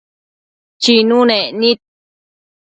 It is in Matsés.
Chinunec nid